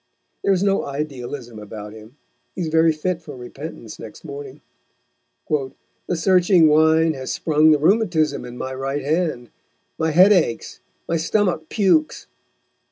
There is no idealism about him. He is very fit for repentance next morning. "The searching Wine has sprung the Rheumatism in my Right Hand, my Head aches, my Stomach pukes."